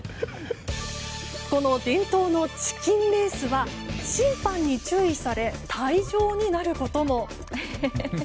この伝統のチキンレースは審判に注意され退場になることも。